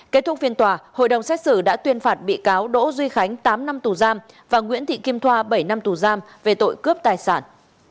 kết thúc phiên tòa hội đồng xét xử đã tuyên phạt bị cáo đỗ duy khánh tám năm tù giam và nguyễn thị kim thoa bảy năm tù giam về tội cướp tài sản